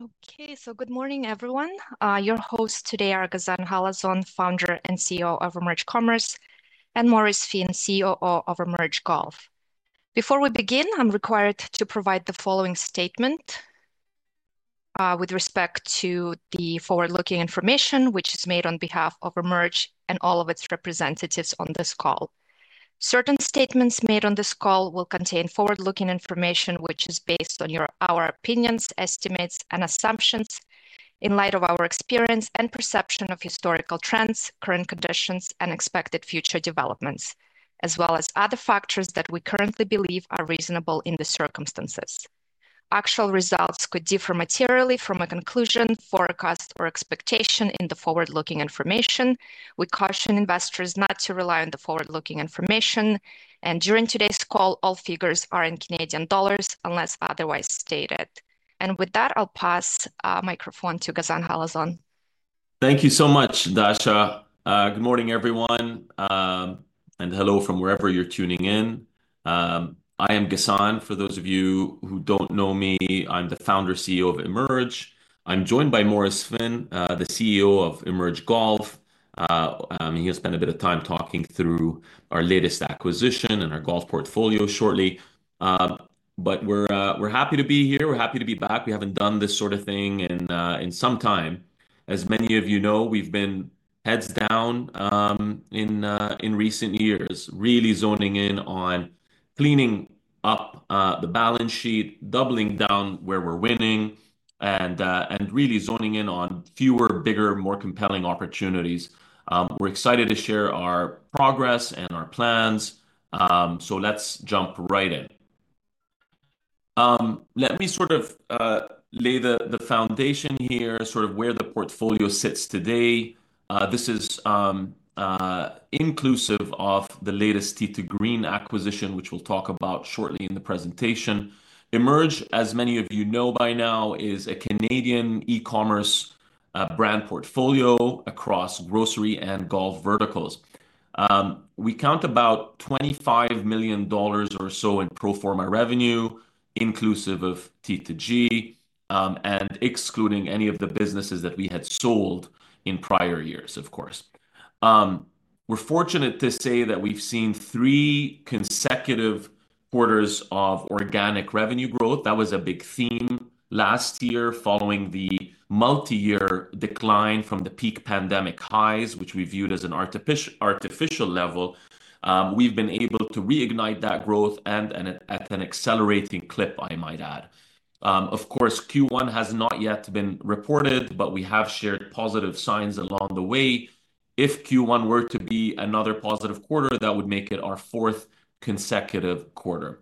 Okay, good morning, everyone. Your hosts today are Ghassan Halazon, Founder and CEO of EMERGE Commerce, and Maurice Finn, COO of EMERGE Golf. Before we begin, I'm required to provide the following statement with respect to the forward-looking information which is made on behalf of EMERGE and all of its representatives on this call. Certain statements made on this call will contain forward-looking information which is based on our opinions, estimates, and assumptions in light of our experience and perception of historical trends, current conditions, and expected future developments, as well as other factors that we currently believe are reasonable in the circumstances. Actual results could differ materially from a conclusion, forecast, or expectation in the forward-looking information. We caution investors not to rely on the forward-looking information, and during today's call, all figures are in Canadian dollars unless otherwise stated. With that, I'll pass the microphone to Ghassan Halazon. Thank you so much, Dasha. Good morning, everyone, and hello from wherever you're tuning in. I am Ghassan. For those of you who don't know me, I'm the Founder CEO of EMERGE. I'm joined by Maurice Finn, the CEO of EMERGE Golf. He'll spend a bit of time talking through our latest acquisition and our golf portfolio shortly. We're happy to be here. We're happy to be back. We haven't done this sort of thing in some time. As many of you know, we've been heads down in recent years, really zoning in on cleaning up the balance sheet, doubling down where we're winning, and really zoning in on fewer, bigger, more compelling opportunities. We're excited to share our progress and our plans. Let's jump right in. Let me sort of lay the foundation here, sort of where the portfolio sits today. This is, inclusive of the latest Tee 2 Green acquisition, which we'll talk about shortly in the presentation. EMERGE. as many of you know by now, is a Canadian e-commerce brand portfolio across grocery and golf verticals. We count about 25 million dollars or so in pro forma revenue, inclusive of T2G, and excluding any of the businesses that we had sold in prior years, of course. We're fortunate to say that we've seen three consecutive quarters of organic revenue growth. That was a big theme last year, following the multi-year decline from the peak pandemic highs, which we viewed as an artificial, artificial level. We've been able to reignite that growth and, at an accelerating clip, I might add. Of course, Q1 has not yet been reported, but we have shared positive signs along the way. If Q1 were to be another positive quarter, that would make it our fourth consecutive quarter.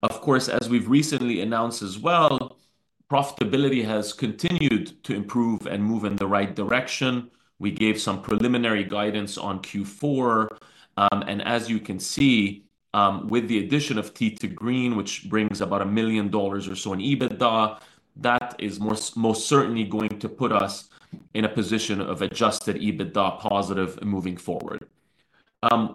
Of course, as we've recently announced as well, profitability has continued to improve and move in the right direction. We gave some preliminary guidance on Q4, and as you can see, with the addition of Tee 2 Green, which brings about $1 million or so in EBITDA, that is most, most certainly going to put us in a position of adjusted EBITDA positive moving forward.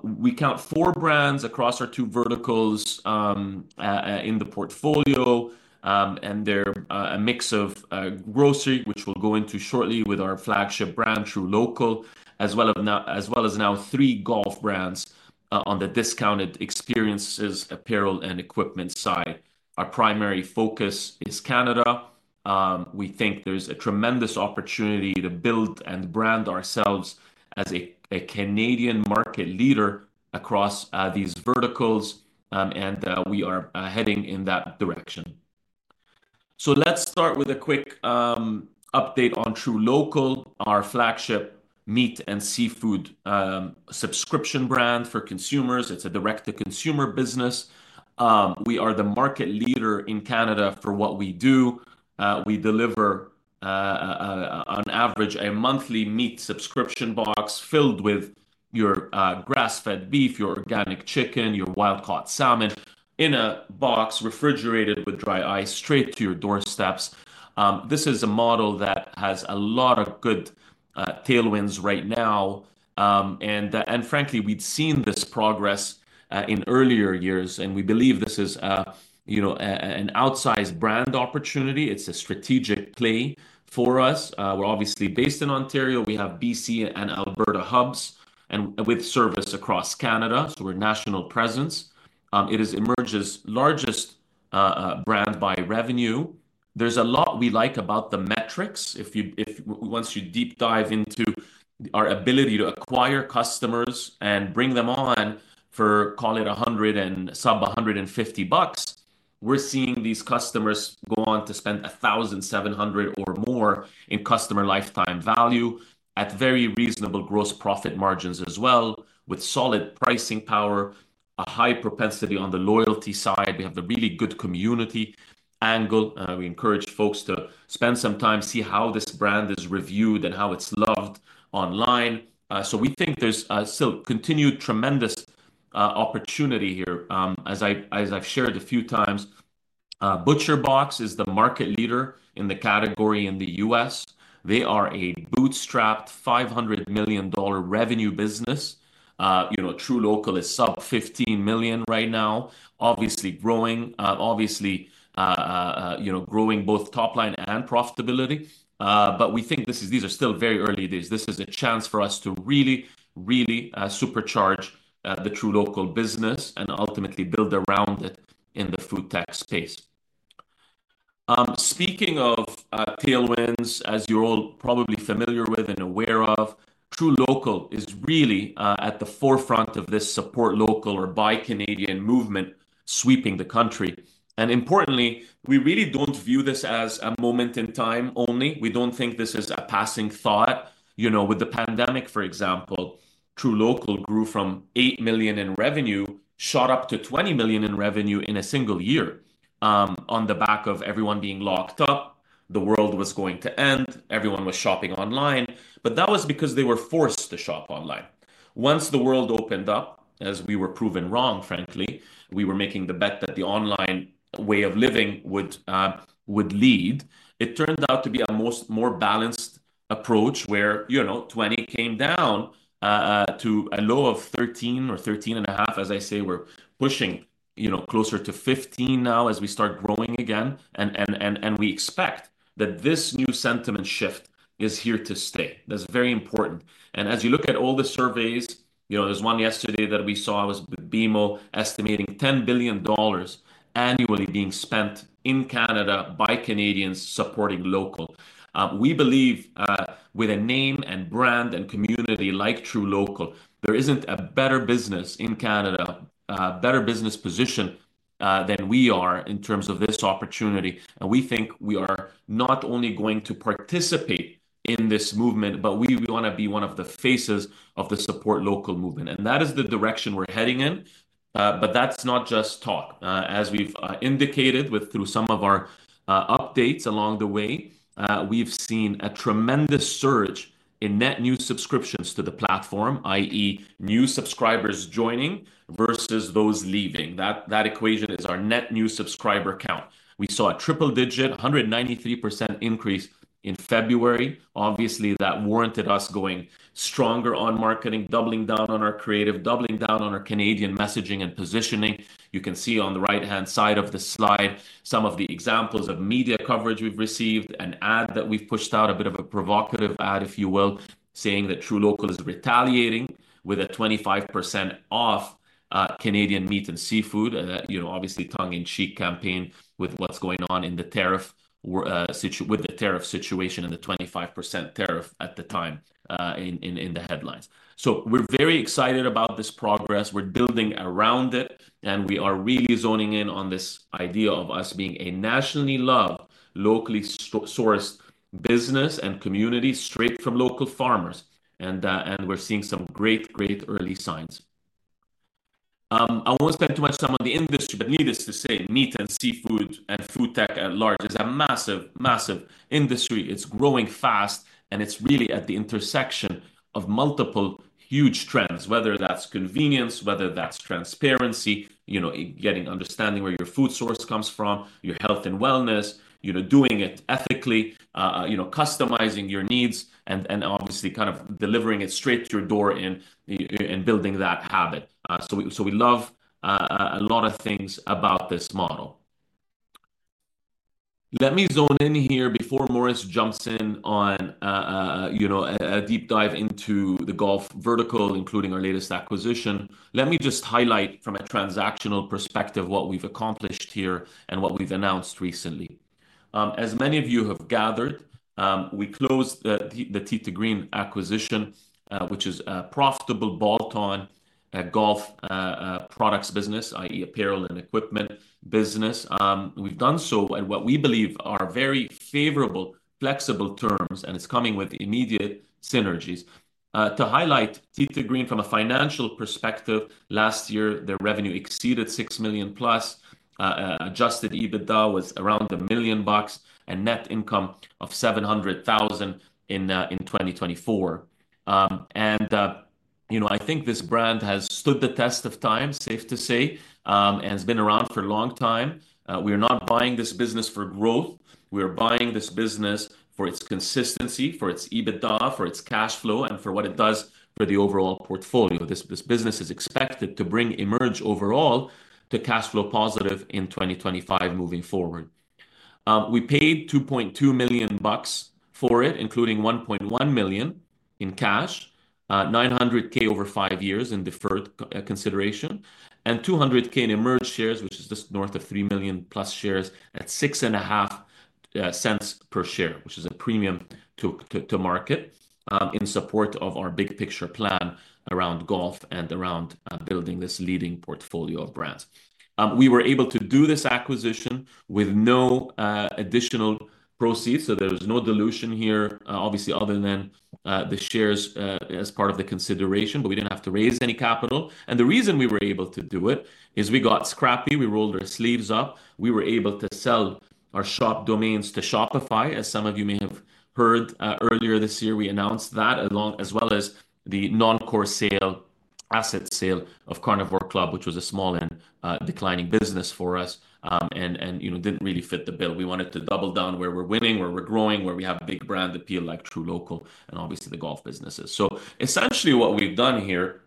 We count four brands across our two verticals in the portfolio, and they're a mix of grocery, which we'll go into shortly with our flagship brand, truLOCAL, as well as now, as well as now three golf brands, on the discounted experiences, apparel, and equipment side. Our primary focus is Canada. We think there's a tremendous opportunity to build and brand ourselves as a Canadian market leader across these verticals. We are heading in that direction. Let's start with a quick update on truLOCAL, our flagship meat and seafood subscription brand for consumers. It's a direct-to-consumer business. We are the market leader in Canada for what we do. We deliver, on average, a monthly meat subscription box filled with your grass-fed beef, your organic chicken, your wild-caught salmon in a box refrigerated with dry ice straight to your doorsteps. This is a model that has a lot of good tailwinds right now. Frankly, we'd seen this progress in earlier years, and we believe this is, you know, an outsized brand opportunity. It's a strategic play for us. We're obviously based in Ontario. We have BC and Alberta hubs and with service across Canada, so we're national presence. It is EMERGE's largest brand by revenue. There's a lot we like about the metrics. If you, if once you deep dive into our ability to acquire customers and bring them on for, call it $100 and sub $150, we're seeing these customers go on to spend $1,700 or more in customer lifetime value at very reasonable gross profit margins as well, with solid pricing power, a high propensity on the loyalty side. We have the really good community angle. We encourage folks to spend some time, see how this brand is reviewed and how it's loved online. We think there's still continued tremendous opportunity here. As I, as I've shared a few times, ButcherBox is the market leader in the category in the U.S. They are a bootstrapped $500 million revenue business. You know, truLOCAL is sub 15 million right now, obviously growing, obviously, you know, growing both top line and profitability. We think these are still very early days. This is a chance for us to really, really supercharge the truLOCAL business and ultimately build around it in the food tech space. Speaking of tailwinds, as you're all probably familiar with and aware of, truLOCAL is really at the forefront of this support local or buy Canadian movement sweeping the country. Importantly, we really don't view this as a moment in time only. We don't think this is a passing thought. You know, with the pandemic, for example, truLOCAL grew from $8 million in revenue, shot up to $20 million in revenue in a single year, on the back of everyone being locked up. The world was going to end. Everyone was shopping online, but that was because they were forced to shop online. Once the world opened up, as we were proven wrong, frankly, we were making the bet that the online way of living would lead. It turned out to be a much more balanced approach where, you know, 20 came down to a low of 13 or 13.5. As I say, we're pushing, you know, closer to 15 now as we start growing again. We expect that this new sentiment shift is here to stay. That's very important. As you look at all the surveys, you know, there's one yesterday that we saw, it was BMO estimating 10 billion dollars annually being spent in Canada by Canadians supporting local. We believe, with a name and brand and community like truLOCAL, there isn't a better business in Canada, better business position, than we are in terms of this opportunity. We think we are not only going to participate in this movement, but we want to be one of the faces of the support local movement. That is the direction we're heading in. That is not just talk. As we've indicated through some of our updates along the way, we've seen a tremendous surge in net new subscriptions to the platform, i.e., new subscribers joining versus those leaving. That equation is our net new subscriber count. We saw a triple-digit, 193% increase in February. Obviously, that warranted us going stronger on marketing, doubling down on our creative, doubling down on our Canadian messaging and positioning. You can see on the right-hand side of the slide, some of the examples of media coverage we've received, an ad that we've pushed out, a bit of a provocative ad, if you will, saying that truLOCAL is retaliating with a 25% off, Canadian meat and seafood. You know, obviously tongue in cheek campaign with what's going on in the tariff situation and the 25% tariff at the time, in the headlines. We are very excited about this progress. We're building around it, and we are really zoning in on this idea of us being a nationally loved, locally sourced business and community straight from local farmers. We're seeing some great, great early signs. I won't spend too much time on the industry, but needless to say, meat and seafood and food tech at large is a massive, massive industry. It's growing fast, and it's really at the intersection of multiple huge trends, whether that's convenience, whether that's transparency, you know, getting understanding where your food source comes from, your health and wellness, you know, doing it ethically, you know, customizing your needs, and obviously kind of delivering it straight to your door in building that habit. We love a lot of things about this model. Let me zone in here before Maurice jumps in on, you know, a deep dive into the golf vertical, including our latest acquisition. Let me just highlight from a transactional perspective what we've accomplished here and what we've announced recently. As many of you have gathered, we closed the Tee 2 Green acquisition, which is a profitable bolt-on golf products business, i.e., apparel and equipment business. We've done so in what we believe are very favorable, flexible terms, and it's coming with immediate synergies. To highlight Tee 2 Green from a financial perspective, last year their revenue exceeded $6+ million. Adjusted EBITDA was around $1 million, a net income of $700,000 in 2024. And, you know, I think this brand has stood the test of time, safe to say, and has been around for a long time. We are not buying this business for growth. We are buying this business for its consistency, for its EBITDA, for its cash flow, and for what it does for the overall portfolio. This business is expected to bring EMERGE overall to cash flow positive in 2025 moving forward. We paid $2.2 million for it, including $1.1 million in cash, $900,000 over five years in deferred consideration, and $200,000 in EMERGE shares, which is just north of 3+ million shares at $0.065 per share, which is a premium to market, in support of our big picture plan around golf and around building this leading portfolio of brands. We were able to do this acquisition with no additional proceeds. There was no dilution here, obviously other than the shares as part of the consideration, but we did not have to raise any capital. The reason we were able to do it is we got scrappy. We rolled our sleeves up. We were able to sell our shop domains to Shopify. As some of you may have heard, earlier this year, we announced that along as well as the non-core sale, asset sale of Carnivore Club, which was a small and declining business for us, and, you know, did not really fit the bill. We wanted to double down where we are winning, where we are growing, where we have big brand appeal like truLOCAL, and obviously the golf businesses. Essentially what we have done here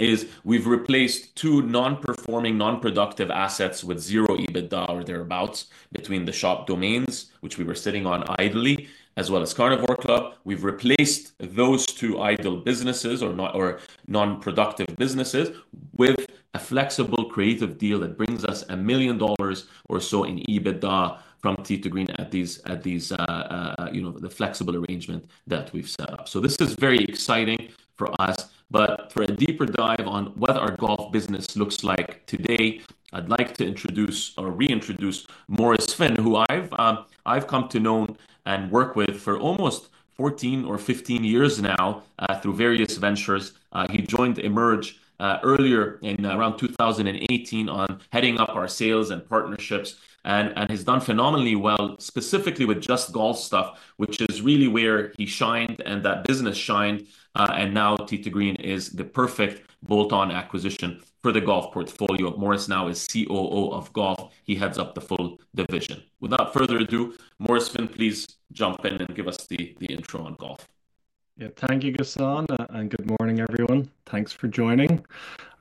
is we have replaced two non-performing, non-productive assets with zero EBITDA or thereabouts between the shop domains, which we were sitting on idly, as well as Carnivore Club. We have replaced those two idle businesses or non-productive businesses with a flexible creative deal that brings us $1 million or so in EBITDA from Tee 2 Green at these, you know, the flexible arrangement that we have set up. This is very exciting for us. For a deeper dive on what our golf business looks like today, I'd like to introduce or reintroduce Maurice Finn, who I've come to know and work with for almost 14 or 15 years now, through various ventures. He joined EMERGE earlier in around 2018 heading up our sales and partnerships, and he's done phenomenally well, specifically with Just Golf Stuff, which is really where he shined and that business shined. Now Tee 2 Green is the perfect bolt-on acquisition for the golf portfolio. Maurice now is COO of Golf. He heads up the full division. Without further ado, Maurice Finn, please jump in and give us the intro on golf. Yeah, thank you, Ghassan. Good morning, everyone. Thanks for joining.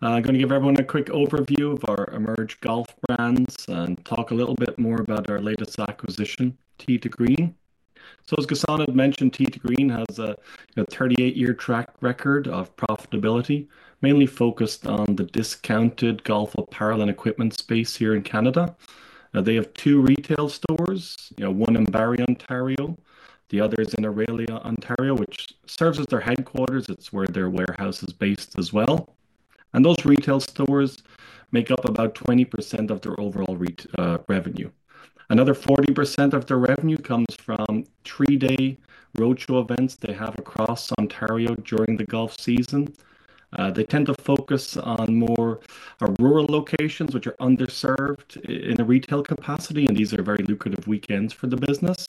I'm gonna give everyone a quick overview of our EMERGE Golf brands and talk a little bit more about our latest acquisition, Tee 2 Green. As Ghassan had mentioned, Tee 2 Green has a, you know, 38-year track record of profitability, mainly focused on the discounted golf apparel and equipment space here in Canada. They have two retail stores, you know, one in Barrie, Ontario, the other is in Orillia, Ontario, which serves as their headquarters. It's where their warehouse is based as well. Those retail stores make up about 20% of their overall revenue. Another 40% of their revenue comes from three-day roadshow events they have across Ontario during the golf season. They tend to focus on more rural locations, which are underserved in a retail capacity, and these are very lucrative weekends for the business.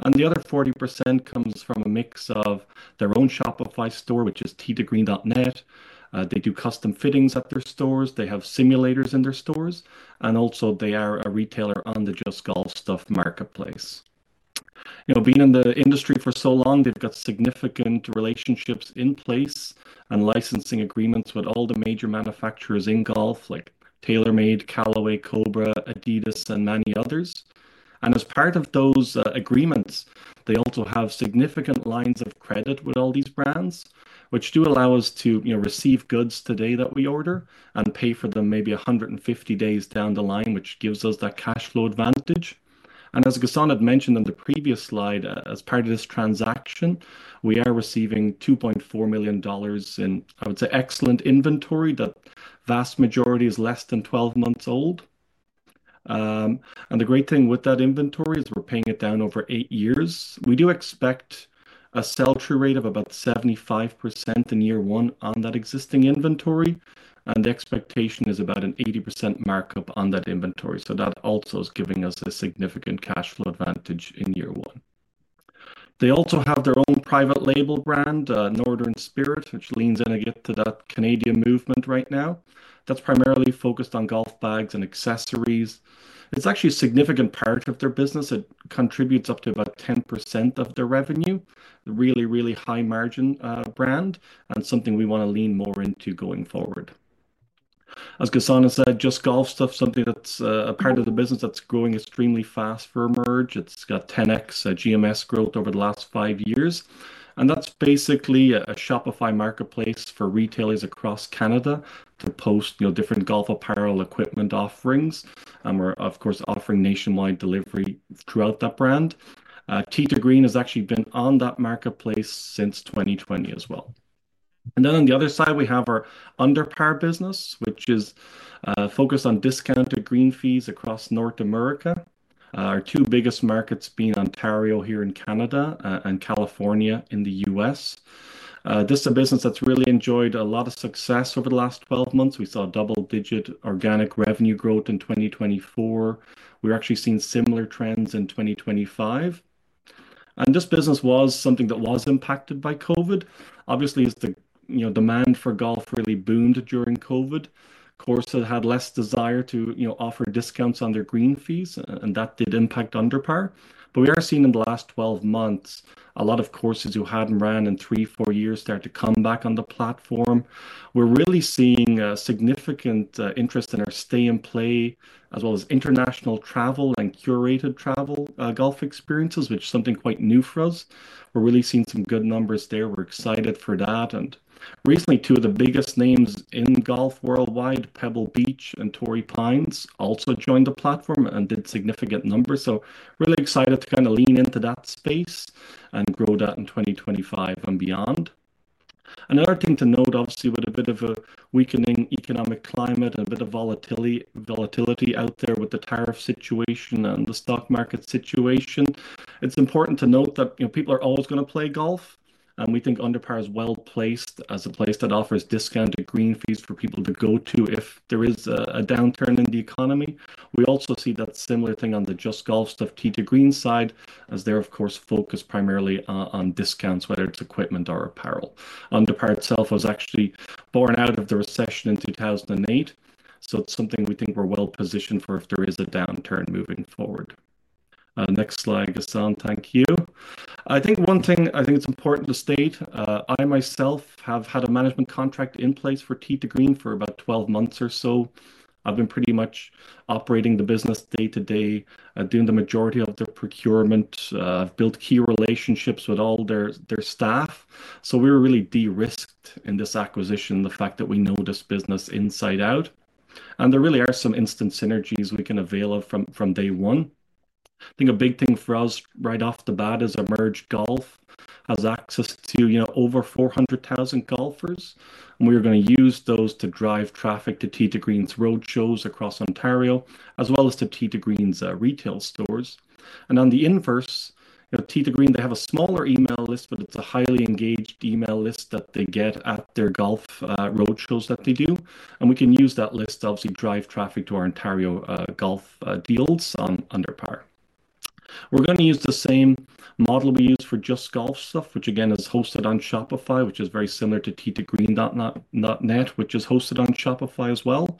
The other 40% comes from a mix of their own Shopify store, which is teetogreen.net. They do custom fittings at their stores. They have simulators in their stores, and also they are a retailer on the Just Golf Stuff marketplace. You know, being in the industry for so long, they've got significant relationships in place and licensing agreements with all the major manufacturers in golf, like TaylorMade, Callaway, COBRA, adidas, and many others. As part of those agreements, they also have significant lines of credit with all these brands, which do allow us to, you know, receive goods today that we order and pay for them maybe 150 days down the line, which gives us that cash flow advantage. As Ghassan had mentioned on the previous slide, as part of this transaction, we are receiving $2.4 million in, I would say, excellent inventory. The vast majority is less than 12 months old. The great thing with that inventory is we're paying it down over eight years. We do expect a sell-through rate of about 75% in year one on that existing inventory, and the expectation is about an 80% markup on that inventory. That also is giving us a significant cash flow advantage in year one. They also have their own private label brand, Northern Spirit, which leans in again to that Canadian movement right now. That's primarily focused on golf bags and accessories. It's actually a significant part of their business. It contributes up to about 10% of their revenue. Really, really high margin brand and something we wanna lean more into going forward. As Ghassan has said, Just Golf Stuff, something that's a part of the business that's growing extremely fast for EMERGE. It's got 10x GMS growth over the last five years, and that's basically a Shopify marketplace for retailers across Canada to post, you know, different golf apparel equipment offerings. We're of course offering nationwide delivery throughout that brand. Tee 2 Green has actually been on that marketplace since 2020 as well. On the other side, we have our UnderPar business, which is focused on discounted green fees across North America. Our two biggest markets being Ontario here in Canada, and California in the U.S. This is a business that's really enjoyed a lot of success over the last 12 months. We saw double-digit organic revenue growth in 2024. We're actually seeing similar trends in 2025. This business was something that was impacted by COVID. Obviously, as the, you know, demand for golf really boomed during COVID, courses had less desire to, you know, offer discounts on their green fees, and that did impact UnderPar. We are seeing in the last 12 months, a lot of courses who hadn't ran in three, four years start to come back on the platform. We're really seeing a significant interest in our stay and play, as well as international travel and curated travel golf experiences, which is something quite new for us. We're really seeing some good numbers there. We're excited for that. Recently, two of the biggest names in golf worldwide, Pebble Beach and Torrey Pines, also joined the platform and did significant numbers. Really excited to kind of lean into that space and grow that in 2025 and beyond. Another thing to note, obviously, with a bit of a weakening economic climate and a bit of volatility out there with the tariff situation and the stock market situation, it's important to note that, you know, people are always gonna play golf, and we think UnderPar is well placed as a place that offers discounted green fees for people to go to if there is a downturn in the economy. We also see that similar thing on the Just Golf Stuff Tee 2 Green side, as they're of course focused primarily on discounts, whether it's equipment or apparel. UnderPar itself was actually born out of the recession in 2008. So it's something we think we're well positioned for if there is a downturn moving forward. Next slide, Ghassan. Thank you. I think one thing I think it's important to state, I myself have had a management contract in place for Tee 2 Green for about 12 months or so. I've been pretty much operating the business day to day, doing the majority of the procurement. I've built key relationships with all their staff. We were really de-risked in this acquisition, the fact that we know this business inside out. There really are some instant synergies we can avail of from day one. I think a big thing for us right off the bat is EMERGE Golf has access to, you know, over 400,000 golfers, and we are gonna use those to drive traffic to Tee 2 Green's roadshows across Ontario, as well as to Tee 2 Green's retail stores. On the inverse, you know, Tee 2 Green, they have a smaller email list, but it's a highly engaged email list that they get at their golf roadshows that they do. We can use that list to obviously drive traffic to our Ontario golf deals on UnderPar. We're gonna use the same model we use for Just Golf Stuff, which again is hosted on Shopify, which is very similar to tee2green.net, which is hosted on Shopify as well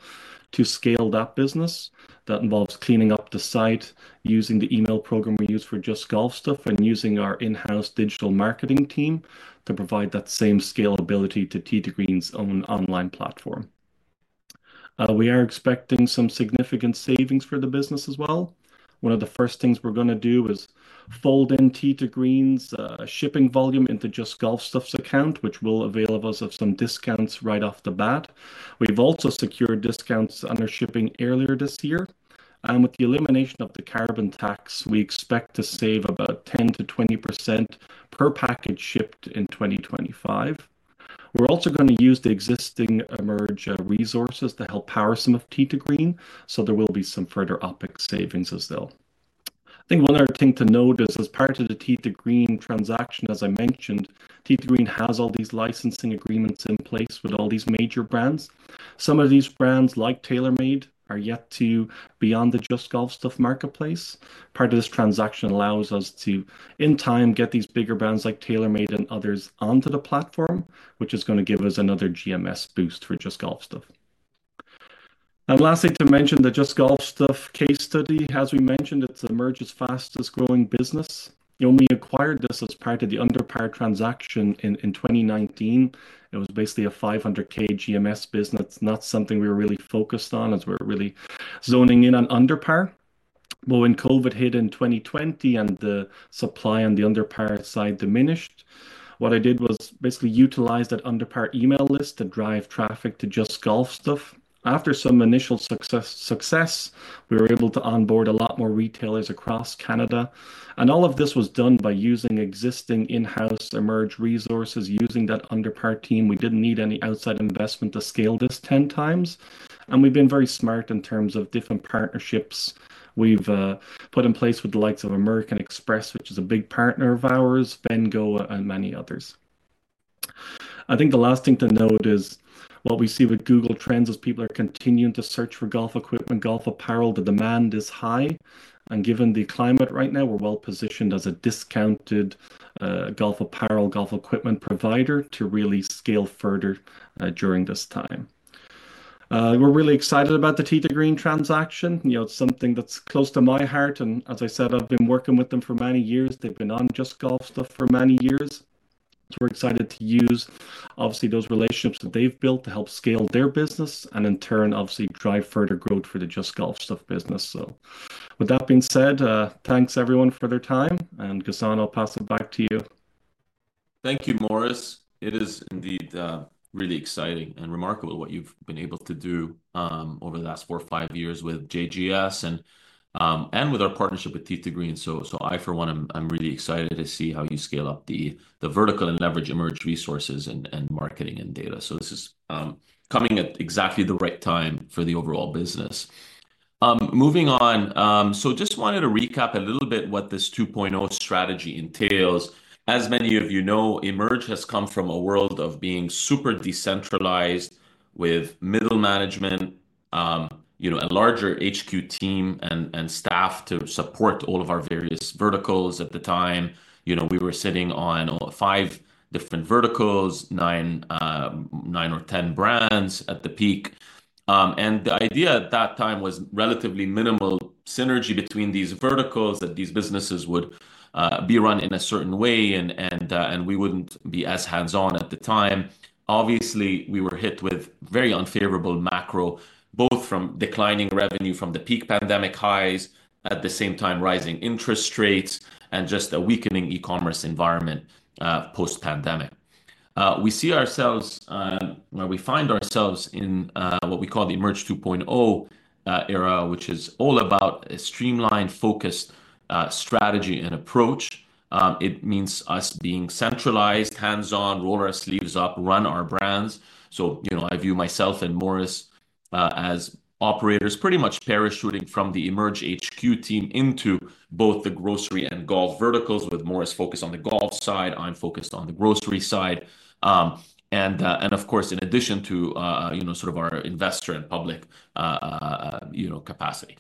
to scale that business. That involves cleaning up the site, using the email program we use for Just Golf Stuff, and using our in-house digital marketing team to provide that same scalability to Tee 2 Green's own online platform. We are expecting some significant savings for the business as well. One of the first things we're gonna do is fold in Tee 2 Green's shipping volume into Just Golf Stuff's account, which will avail us of some discounts right off the bat. We've also secured discounts on shipping earlier this year. With the elimination of the carbon tax, we expect to save about 10%-20% per package shipped in 2025. We're also gonna use the existing EMERGE resources to help power some of Tee 2 Green. There will be some further OpEx savings as well. I think one other thing to note is as part of the Tee 2 Green transaction, as I mentioned, Tee 2 Green has all these licensing agreements in place with all these major brands. Some of these brands, like TaylorMade, are yet to be on the Just Golf Stuff marketplace. Part of this transaction allows us to, in time, get these bigger brands like TaylorMade and others onto the platform, which is gonna give us another GMS boost for Just Golf Stuff. Lastly, to mention the Just Golf Stuff case study, as we mentioned, it's EMERGE's fastest growing business. You know, we acquired this as part of the UnderPar transaction in 2019. It was basically a $500,000 GMS business, not something we were really focused on as we were really zoning in on UnderPar. When COVID hit in 2020 and the supply on the UnderPar side diminished, what I did was basically utilize that UnderPar email list to drive traffic to Just Golf Stuff. After some initial success, we were able to onboard a lot more retailers across Canada. All of this was done by using existing in-house EMERGE resources, using that UnderPar team. We didn't need any outside investment to scale this 10x We've been very smart in terms of different partnerships we've put in place with the likes of American Express, which is a big partner of ours, [Bengo], and many others. I think the last thing to note is what we see with Google Trends as people are continuing to search for golf equipment, golf apparel. The demand is high. Given the climate right now, we're well positioned as a discounted golf apparel, golf equipment provider to really scale further during this time. We're really excited about the Tee 2 Green transaction. You know, it's something that's close to my heart. As I said, I've been working with them for many years. They've been on Just Golf Stuff for many years. We're excited to use, obviously, those relationships that they've built to help scale their business and in turn, obviously, drive further growth for the Just Golf Stuff business. With that being said, thanks everyone for their time. Ghassan, I'll pass it back to you. Thank you, Maurice. It is indeed really exciting and remarkable what you've been able to do over the last four or five years with JGS and with our partnership with Tee 2 Green. I for one, I'm really excited to see how you scale up the vertical and leverage EMERGE resources and marketing and data. This is coming at exactly the right time for the overall business. Moving on, I just wanted to recap a little bit what this 2.0 strategy entails. As many of you know, EMERGE has come from a world of being super decentralized with middle management, you know, a larger HQ team and, and staff to support all of our various verticals. At the time, you know, we were sitting on five different verticals, nine or 10 brands at the peak. The idea at that time was relatively minimal synergy between these verticals, that these businesses would be run in a certain way. We would not be as hands-on at the time. Obviously, we were hit with very unfavorable macro, both from declining revenue from the peak pandemic highs, at the same time rising interest rates, and just a weakening e-commerce environment, post-pandemic. We see ourselves, where we find ourselves in, what we call the EMERGE 2.0 era, which is all about a streamlined, focused strategy and approach. It means us being centralized, hands-on, roll our sleeves up, run our brands. So, you know, I view myself and Maurice as operators pretty much parachuting from the EMERGE HQ team into both the grocery and golf verticals, with Maurice focused on the golf side. I'm focused on the grocery side, and, and of course, in addition to, you know, sort of our investor and public, you know, capacity.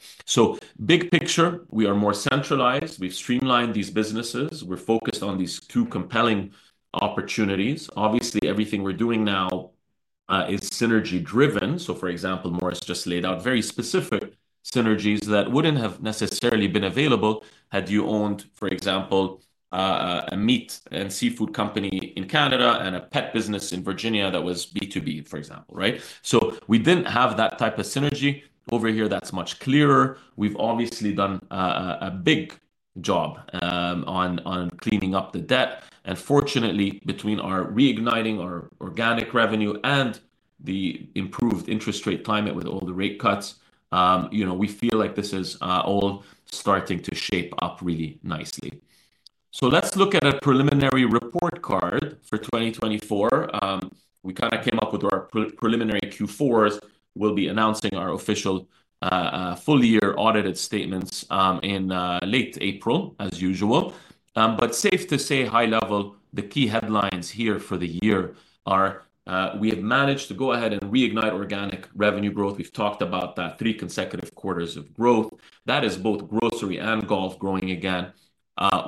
Big picture, we are more centralized. We've streamlined these businesses. We're focused on these two compelling opportunities. Obviously, everything we're doing now is synergy-driven. For example, Maurice just laid out very specific synergies that would not have necessarily been available had you owned, for example, a meat and seafood company in Canada and a pet business in Virginia that was B2B, for example, right? We did not have that type of synergy over here. That's much clearer. We've obviously done a big job on cleaning up the debt. Fortunately, between reigniting our organic revenue and the improved interest rate climate with all the rate cuts, you know, we feel like this is all starting to shape up really nicely. Let's look at a preliminary report card for 2024. We kind of came up with our preliminary Q4s. We'll be announcing our official full year audited statements in late April, as usual. Safe to say high level, the key headlines here for the year are, we have managed to go ahead and reignite organic revenue growth. We've talked about that, three consecutive quarters of growth. That is both grocery and golf growing again.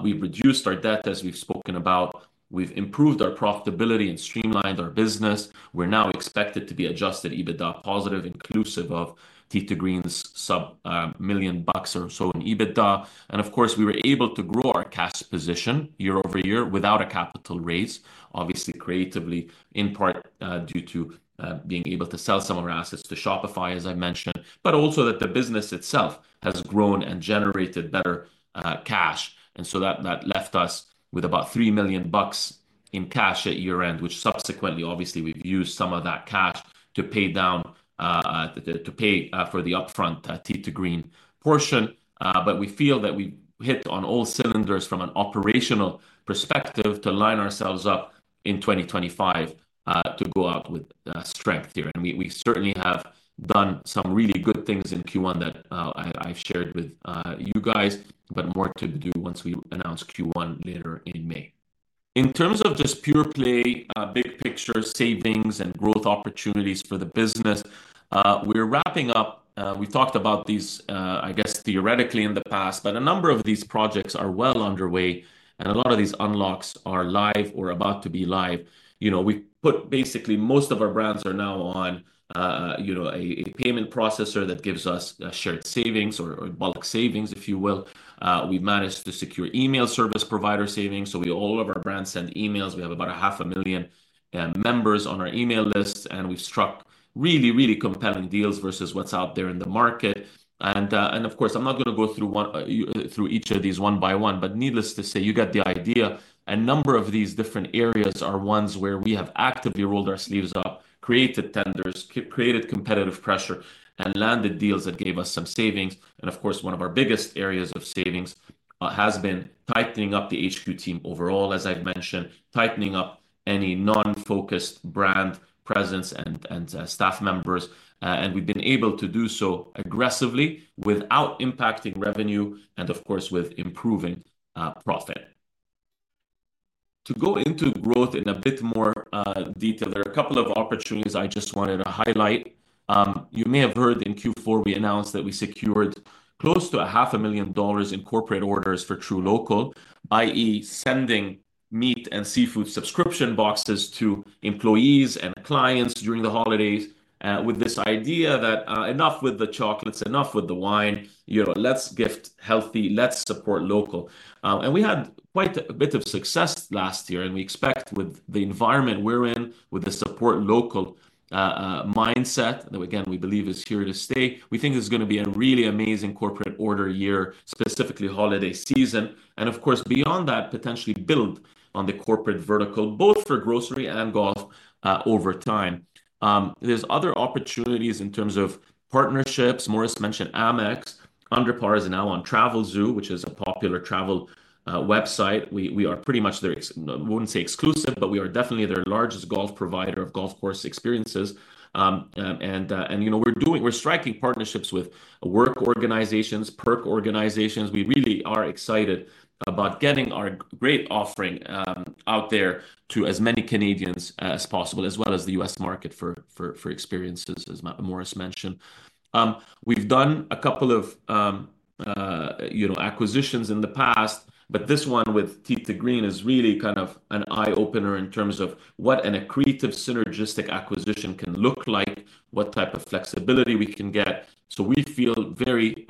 We've reduced our debt, as we've spoken about. We've improved our profitability and streamlined our business. We're now expected to be adjusted EBITDA positive, inclusive of Tee 2 Green's sub, million bucks or so in EBITDA. Of course, we were able to grow our cash position year-over-year without a capital raise, obviously creatively in part, due to being able to sell some of our assets to Shopify, as I mentioned, but also that the business itself has grown and generated better cash. That left us with about $3 million in cash at year end, which subsequently, obviously, we've used some of that cash to pay down, to pay for the upfront Tee 2 Green portion. We feel that we've hit on all cylinders from an operational perspective to line ourselves up in 2025 to go out with strength here. We certainly have done some really good things in Q1 that I have shared with you guys, but more to do once we announce Q1 later in May. In terms of just pure play, big picture savings and growth opportunities for the business, we are wrapping up. We talked about these, I guess theoretically in the past, but a number of these projects are well underway and a lot of these unlocks are live or about to be live. You know, we put basically most of our brands are now on a payment processor that gives us shared savings or bulk savings, if you will. We have managed to secure email service provider savings. So all of our brands send emails. We have about 500,000 members on our email list and we've struck really, really compelling deals versus what's out there in the market. Of course, I'm not gonna go through each of these one by one, but needless to say, you get the idea. A number of these different areas are ones where we have actively rolled our sleeves up, created tenders, created competitive pressure, and landed deals that gave us some savings. One of our biggest areas of savings has been tightening up the HQ team overall, as I've mentioned, tightening up any non-focused brand presence and staff members. We've been able to do so aggressively without impacting revenue and with improving profit. To go into growth in a bit more detail, there are a couple of opportunities I just wanted to highlight. You may have heard in Q4 we announced that we secured close to $500,000 in corporate orders for truLOCAL, i.e., sending meat and seafood subscription boxes to employees and clients during the holidays, with this idea that, enough with the chocolates, enough with the wine, you know, let's gift healthy, let's support local. We had quite a bit of success last year and we expect with the environment we're in, with the support local mindset that again, we believe is here to stay, we think there's gonna be a really amazing corporate order year, specifically holiday season. Of course, beyond that, potentially build on the corporate vertical, both for grocery and golf, over time. There are other opportunities in terms of partnerships. Maurice mentioned AMEX, UnderPar is now on Travelzoo, which is a popular travel website. We are pretty much there, I wouldn't say exclusive, but we are definitely their largest provider of golf course experiences. You know, we're striking partnerships with work organizations, perk organizations. We really are excited about getting our great offering out there to as many Canadians as possible, as well as the U.S. market for experiences, as Maurice mentioned. We've done a couple of acquisitions in the past, but this one with Tee 2 Green is really kind of an eye opener in terms of what an accretive, synergistic acquisition can look like, what type of flexibility we can get. We feel very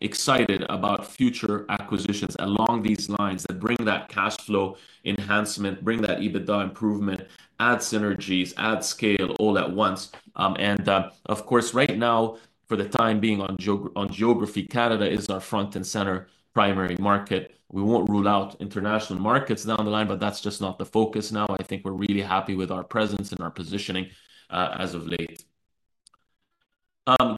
excited about future acquisitions along these lines that bring that cash flow enhancement, bring that EBITDA improvement, add synergies, add scale all at once. Of course, right now, for the time being on geography, Canada is our front and center primary market. We will not rule out international markets down the line, but that is just not the focus now. I think we are really happy with our presence and our positioning, as of late.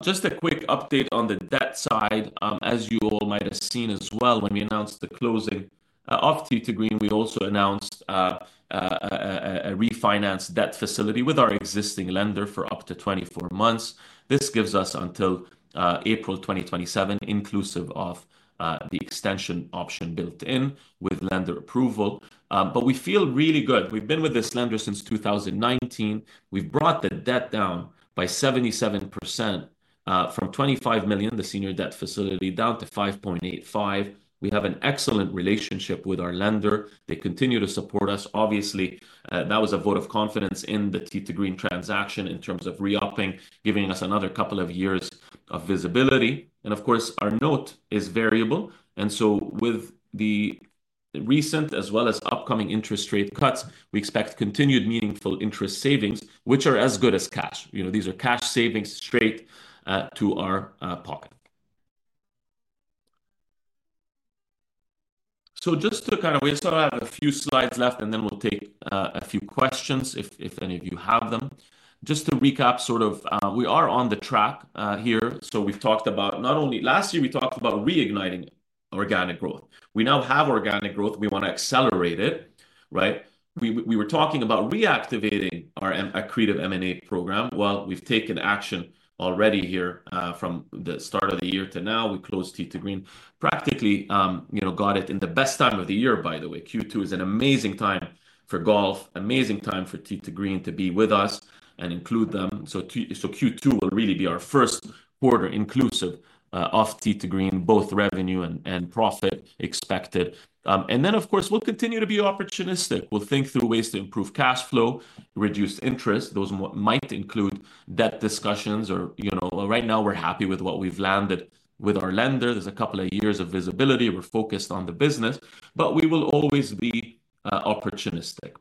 Just a quick update on the debt side. As you all might have seen as well, when we announced the closing of Tee 2 Green, we also announced a refinanced debt facility with our existing lender for up to 24 months. This gives us until April 2027, inclusive of the extension option built in with lender approval. We feel really good. We have been with this lender since 2019. We have brought the debt down by 77%, from $25 million, the senior debt facility, down to $5.85 million. We have an excellent relationship with our lender. They continue to support us. Obviously, that was a vote of confidence in the Tee 2 Green transaction in terms of re-upping, giving us another couple of years of visibility. Our note is variable. With the recent as well as upcoming interest rate cuts, we expect continued meaningful interest savings, which are as good as cash. You know, these are cash savings straight to our pocket. Just to kind of, we still have a few slides left and then we'll take a few questions if any of you have them. Just to recap, sort of, we are on the track here. We've talked about not only last year, we talked about reigniting organic growth. We now have organic growth. We wanna accelerate it, right? We were talking about reactivating our accretive M&A program. We have taken action already here, from the start of the year to now. We closed Tee 2 Green, practically, you know, got it in the best time of the year, by the way. Q2 is an amazing time for golf, amazing time for Tee 2 Green to be with us and include them. Q2 will really be our first quarter inclusive of Tee 2 Green, both revenue and profit expected. Of course, we will continue to be opportunistic. We will think through ways to improve cash flow, reduce interest. Those might include debt discussions or, you know, right now we are happy with what we have landed with our lender. There are a couple of years of visibility. We are focused on the business, but we will always be opportunistic.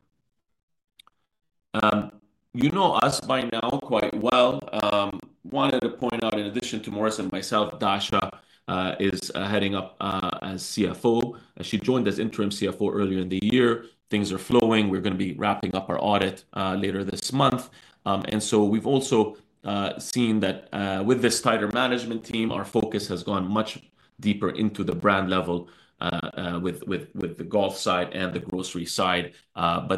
You know us by now quite well. Wanted to point out, in addition to Maurice and myself, Dasha is heading up as CFO. She joined as interim CFO earlier in the year. Things are flowing. We're gonna be wrapping up our audit later this month. We've also seen that, with this tighter management team, our focus has gone much deeper into the brand level, with the golf side and the grocery side.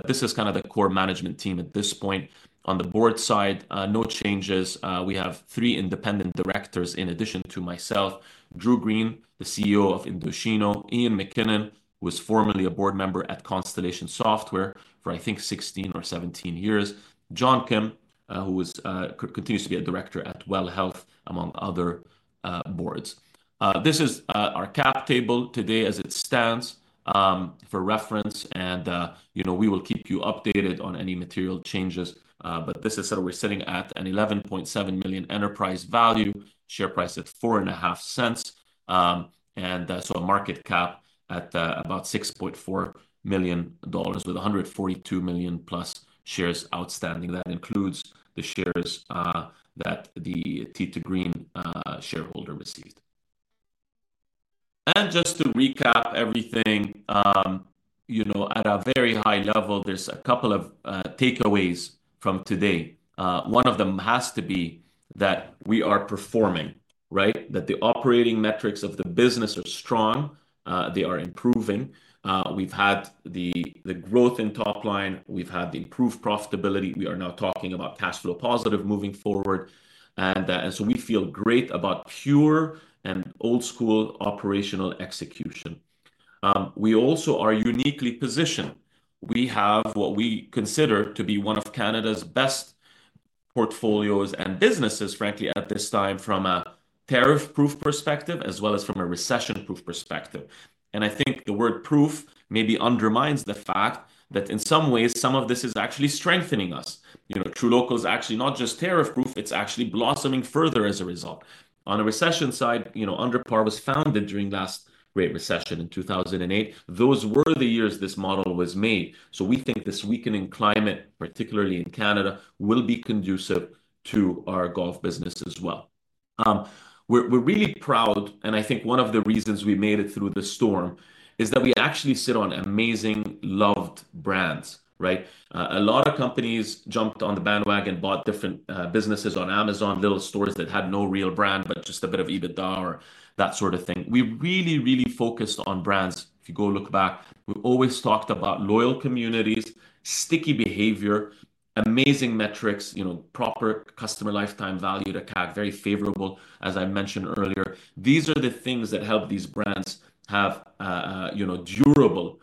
This is kind of the core management team at this point. On the board side, no changes. We have three independent directors in addition to myself: Drew Green, the CEO of INDOCHINO; Ian McKinnon, who was formerly a board member at Constellation Software for, I think, 16 or 17 years; John Kim, who was, continues to be a director at WELL Health, among other boards. This is our cap table today as it stands, for reference. You know, we will keep you updated on any material changes. We are sitting at a $11.7 million enterprise value, share price at $0.045, and a market cap at about $6.4 million with 142+ million shares outstanding. That includes the shares that the Tee 2 Green shareholder received. Just to recap everything at a very high level, there are a couple of takeaways from today. One of them has to be that we are performing, right? That the operating metrics of the business are strong. They are improving. We have had the growth in top line. We have had the improved profitability. We are now talking about cash flow positive moving forward. We feel great about pure and old school operational execution. We also are uniquely positioned. We have what we consider to be one of Canada's best portfolios and businesses, frankly, at this time from a tariff proof perspective, as well as from a recession proof perspective. I think the word proof maybe undermines the fact that in some ways, some of this is actually strengthening us. You know, truLOCAL is actually not just tariff proof, it's actually blossoming further as a result. On a recession side, you know, UnderPar was founded during last great recession in 2008. Those were the years this model was made. We think this weakening climate, particularly in Canada, will be conducive to our golf business as well. We're really proud, and I think one of the reasons we made it through the storm is that we actually sit on amazing loved brands, right? A lot of companies jumped on the bandwagon, bought different businesses on Amazon, little stores that had no real brand, but just a bit of EBITDA or that sort of thing. We really, really focused on brands. If you go look back, we've always talked about loyal communities, sticky behavior, amazing metrics, you know, proper customer lifetime value to CAC, very favorable, as I mentioned earlier. These are the things that help these brands have, you know, durable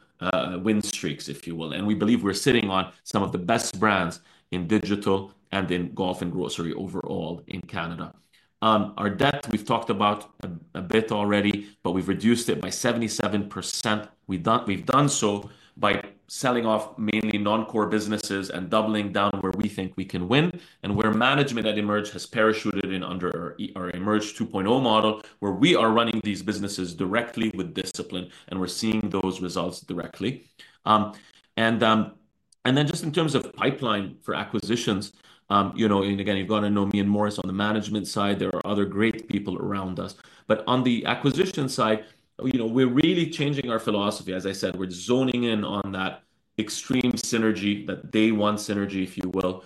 win streaks, if you will. We believe we're sitting on some of the best brands in digital and in golf and grocery overall in Canada. Our debt, we've talked about a bit already, but we've reduced it by 77%. We've done so by selling off mainly non-core businesses and doubling down where we think we can win. Where management at EMERGE has parachuted in under our EMERGE 2.0 model, we are running these businesses directly with discipline and we're seeing those results directly. And then just in terms of pipeline for acquisitions, you know, and again, you've got to know me and Maurice on the management side. There are other great people around us. On the acquisition side, you know, we're really changing our philosophy. As I said, we're zoning in on that extreme synergy, that day one synergy, if you will.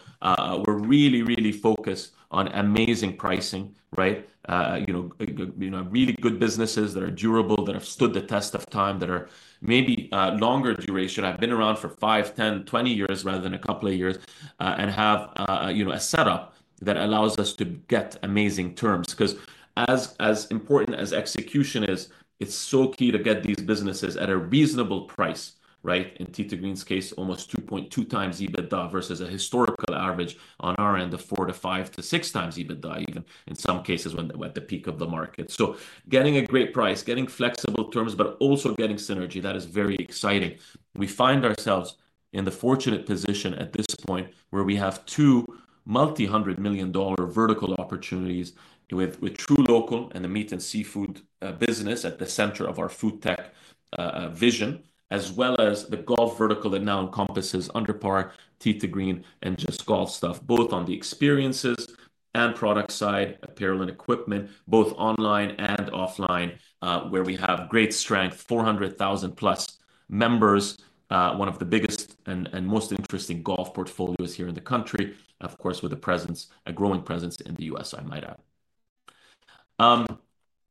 We're really, really focused on amazing pricing, right? You know, really good businesses that are durable, that have stood the test of time, that are maybe longer duration, have been around for five, 10, 20 years rather than a couple of years, and have, you know, a setup that allows us to get amazing terms. 'Cause as important as execution is, it's so key to get these businesses at a reasonable price, right? In Tee 2 Green's case, almost 2.2x EBITDA versus a historical average on our end of 4x to 5x to 6x EBITDA, even in some cases when at the peak of the market. Getting a great price, getting flexible terms, but also getting synergy, that is very exciting. We find ourselves in the fortunate position at this point where we have two multi-hundred million dollar vertical opportunities with, with truLOCAL and the meat and seafood business at the center of our food tech vision, as well as the golf vertical that now encompasses UnderPar, Tee 2 Green, and Just Golf Stuff, both on the experiences and product side, apparel and equipment, both online and offline, where we have great strength, 400,000+ members, one of the biggest and most interesting golf portfolios here in the country, of course, with a presence, a growing presence in the U.S., I might add.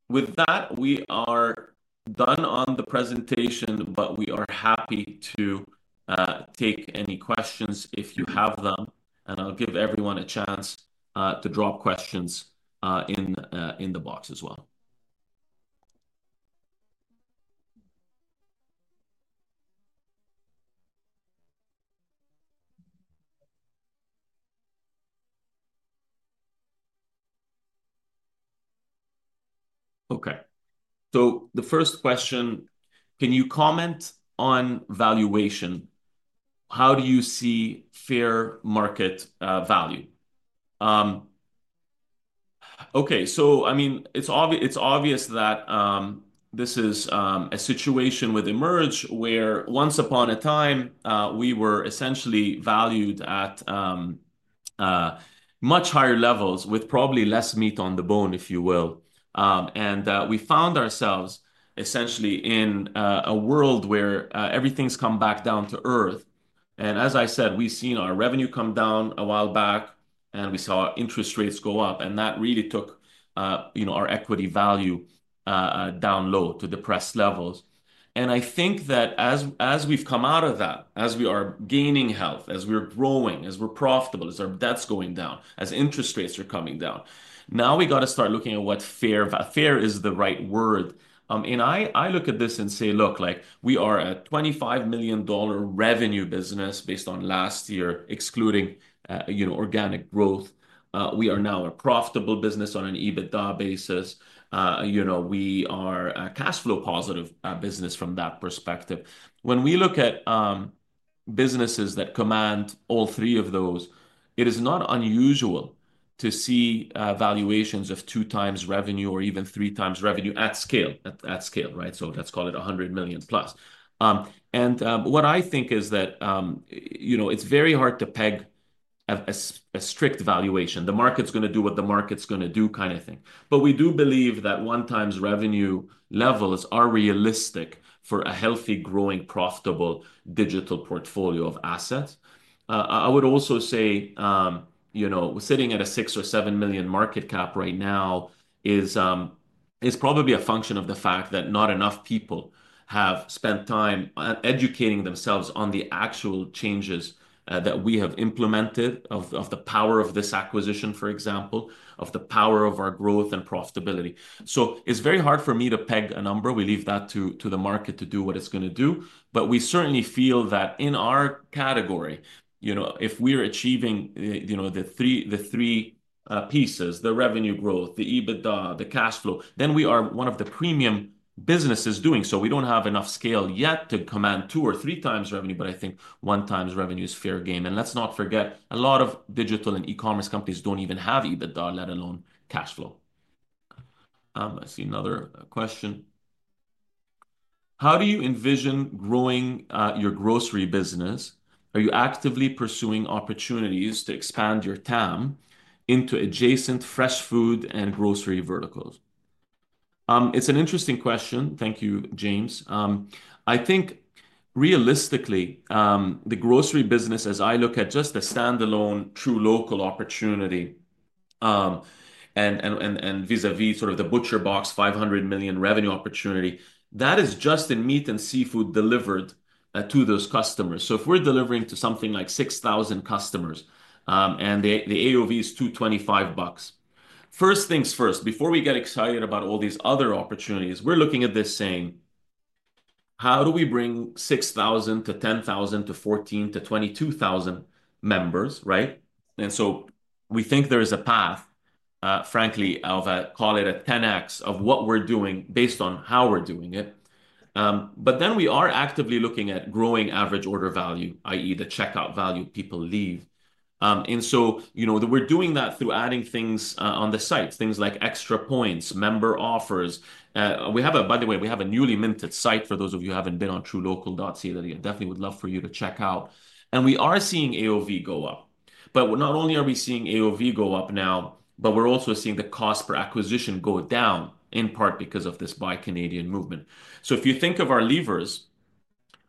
With that, we are done on the presentation, but we are happy to take any questions if you have them, and I'll give everyone a chance to drop questions in the box as well. Okay. The first question, can you comment on valuation? How do you see fair market value? Okay. I mean, it's obvious, it's obvious that this is a situation with EMERGE where once upon a time, we were essentially valued at much higher levels with probably less meat on the bone, if you will. We found ourselves essentially in a world where everything's come back down to earth. As I said, we've seen our revenue come down a while back and we saw interest rates go up. That really took, you know, our equity value down low to depressed levels. I think that as we've come out of that, as we are gaining health, as we're growing, as we're profitable, as our debt's going down, as interest rates are coming down, now we gotta start looking at what fair, fair is the right word. I look at this and say, look, like we are a $25 million revenue business based on last year, excluding, you know, organic growth. We are now a profitable business on an EBITDA basis. You know, we are a cash flow positive business from that perspective. When we look at businesses that command all three of those, it is not unusual to see valuations of two times revenue or even three times revenue at scale, at scale, right? Let's call it $100+ million. What I think is that, you know, it's very hard to peg a strict valuation. The market's gonna do what the market's gonna do kind of thing. We do believe that one times revenue levels are realistic for a healthy, growing, profitable digital portfolio of assets. I would also say, you know, sitting at a $6 million or $7 million market cap right now is probably a function of the fact that not enough people have spent time educating themselves on the actual changes that we have implemented, of the power of this acquisition, for example, of the power of our growth and profitability. It's very hard for me to peg a number. We leave that to the market to do what it's gonna do. We certainly feel that in our category, you know, if we are achieving, you know, the three pieces, the revenue growth, the EBITDA, the cash flow, then we are one of the premium businesses doing so. We don't have enough scale yet to command two or three times revenue, but I think one times revenue is fair game. Let's not forget a lot of digital and e-commerce companies do not even have EBITDA, let alone cash flow. I see another question. How do you envision growing your grocery business? Are you actively pursuing opportunities to expand your TAM into adjacent fresh food and grocery verticals? It's an interesting question. Thank you, James. I think realistically, the grocery business, as I look at just a standalone truLOCAL opportunity, and vis-à-vis sort of the ButcherBox, $500 million revenue opportunity, that is just in meat and seafood delivered to those customers. If we are delivering to something like 6,000 customers, and the AOV is $225, first things first, before we get excited about all these other opportunities, we are looking at this saying, how do we bring 6,000 to 10,000 to 14,000 to 22,000 members, right? We think there is a path, frankly, of a, call it a 10x of what we're doing based on how we're doing it. We are actively looking at growing average order value, i.e. the checkout value people leave. You know, we are doing that through adding things on the sites, things like extra points, member offers. By the way, we have a newly minted site for those of you who haven't been on trulocal.ca that I definitely would love for you to check out. We are seeing AOV go up, but not only are we seeing AOV go up now, but we're also seeing the cost per acquisition go down in part because of this buy Canadian movement. If you think of our levers,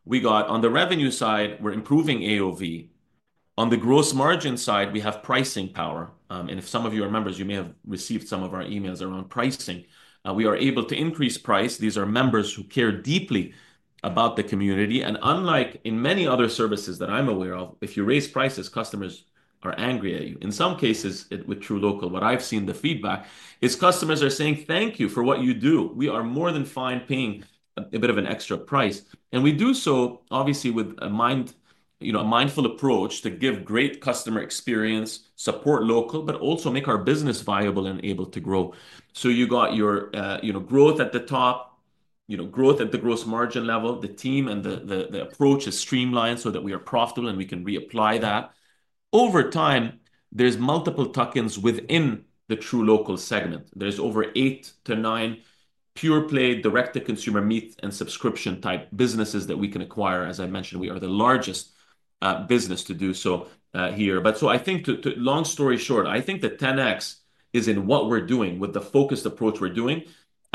we got on the revenue side, we're improving AOV. On the gross margin side, we have pricing power. If some of you are members, you may have received some of our emails around pricing. We are able to increase price. These are members who care deeply about the community. Unlike in many other services that I'm aware of, if you raise prices, customers are angry at you. In some cases, with truLOCAL, what I've seen, the feedback is customers are saying, thank you for what you do. We are more than fine paying a bit of an extra price. We do so, obviously, with a mindful approach to give great customer experience, support local, but also make our business viable and able to grow. You got your, you know, growth at the top, you know, growth at the gross margin level, the team and the approach is streamlined so that we are profitable and we can reapply that over time. There are multiple tuck ins within the truLOCAL segment. There are over eight to nine pure play direct to consumer meat and subscription type businesses that we can acquire. As I mentioned, we are the largest business to do so here. I think to, to long story short, I think the 10x is in what we're doing with the focused approach we're doing.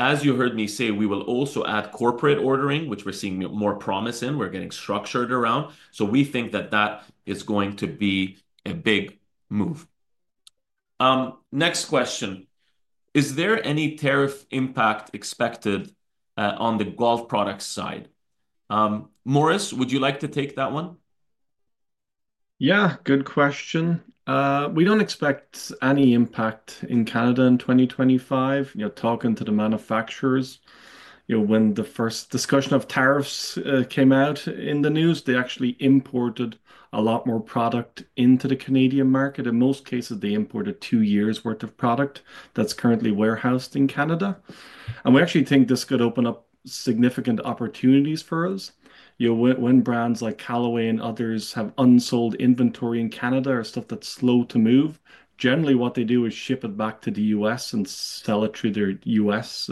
As you heard me say, we will also add corporate ordering, which we're seeing more promise in. We're getting structured around. We think that that is going to be a big move. Next question, is there any tariff impact expected on the golf product side? Maurice, would you like to take that one? Yeah, good question. We do not expect any impact in Canada in 2025. You're talking to the manufacturers, you know, when the first discussion of tariffs came out in the news, they actually imported a lot more product into the Canadian market. In most cases, they imported two years' worth of product that is currently warehoused in Canada. We actually think this could open up significant opportunities for us. You know, when brands like Callaway and others have unsold inventory in Canada or stuff that is slow to move, generally what they do is ship it back to the U.S. and sell it through their U.S.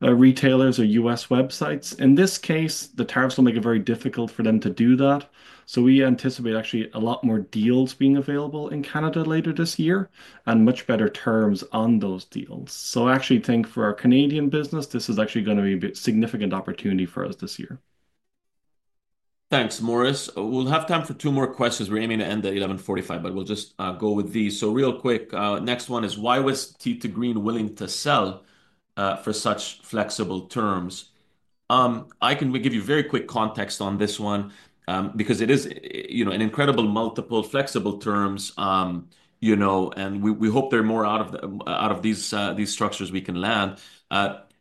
retailers or U.S. websites. In this case, the tariffs will make it very difficult for them to do that. We anticipate actually a lot more deals being available in Canada later this year and much better terms on those deals. I actually think for our Canadian business, this is actually gonna be a significant opportunity for us this year. Thanks, Maurice. We'll have time for two more questions. We're aiming to end at 11:45, but we'll just go with these. Real quick, next one is why was Tee 2 Green willing to sell, for such flexible terms? I can give you very quick context on this one, because it is, you know, an incredible multiple, flexible terms, you know, and we hope there are more out of these structures we can land.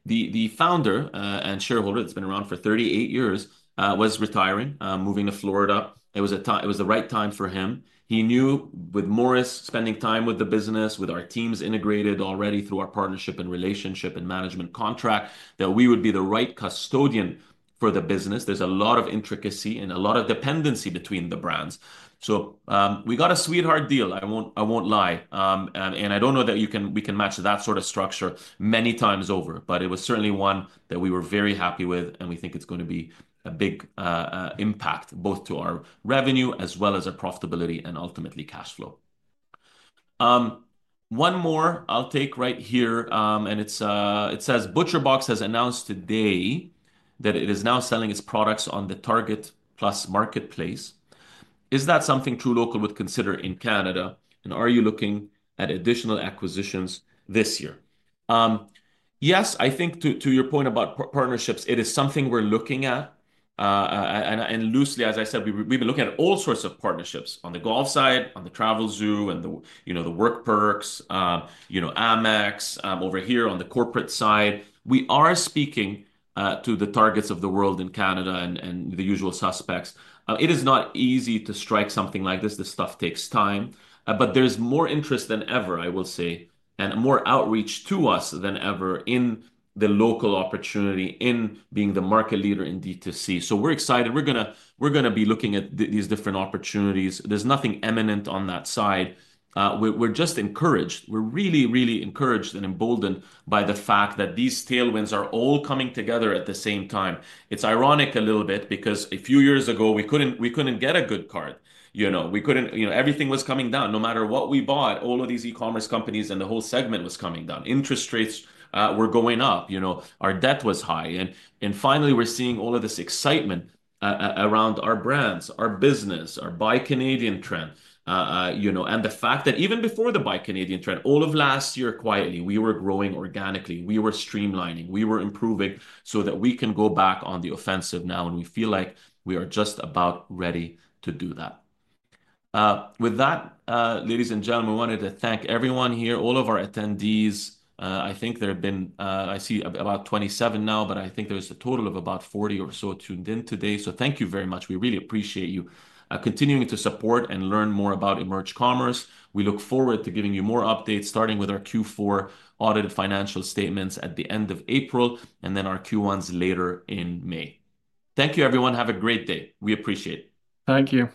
The founder and shareholder that's been around for 38 years was retiring, moving to Florida. It was a time, it was the right time for him. He knew with Maurice spending time with the business, with our teams integrated already through our partnership and relationship and management contract, that we would be the right custodian for the business. There is a lot of intricacy and a lot of dependency between the brands. We got a sweetheart deal. I will not lie. I do not know that we can match that sort of structure many times over, but it was certainly one that we were very happy with and we think it is going to be a big impact both to our revenue as well as our profitability and ultimately cash flow. One more I will take right here. It says ButcherBox has announced today that it is now selling its products on the Target Plus marketplace. Is that something truLOCAL would consider in Canada? Are you looking at additional acquisitions this year? Yes, I think to your point about partnerships, it is something we're looking at, and, as I said, we've been looking at all sorts of partnerships on the golf side, on the Travelzoo, and the, you know, the work perks, you know, AMEX, over here on the corporate side. We are speaking to the Targets of the world in Canada and the usual suspects. It is not easy to strike something like this. This stuff takes time, but there's more interest than ever, I will say, and more outreach to us than ever in the local opportunity in being the market leader in D2C. We're excited. We're gonna be looking at these different opportunities. There's nothing imminent on that side. We're just encouraged. We're really, really encouraged and emboldened by the fact that these tailwinds are all coming together at the same time. It's ironic a little bit because a few years ago we couldn't get a good card, you know, we couldn't, you know, everything was coming down no matter what we bought. All of these e-commerce companies and the whole segment was coming down. Interest rates were going up, you know, our debt was high. Finally we're seeing all of this excitement around our brands, our business, our buy Canadian trend, you know, and the fact that even before the buy Canadian trend, all of last year quietly, we were growing organically, we were streamlining, we were improving so that we can go back on the offensive now and we feel like we are just about ready to do that. With that, ladies and gentlemen, we wanted to thank everyone here, all of our attendees. I think there have been, I see about 27 now, but I think there's a total of about 40 or so tuned in today. Thank you very much. We really appreciate you, continuing to support and learn more about EMERGE Commerce. We look forward to giving you more updates starting with our Q4 audited financial statements at the end of April and then our Q1s later in May. Thank you everyone. Have a great day. We appreciate it. Thank you.